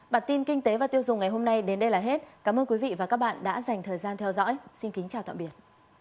bản tin kinh tế và tiêu dùng ngày hôm nay đến đây là hết cảm ơn quý vị và các bạn đã dành thời gian theo dõi xin kính chào tạm biệt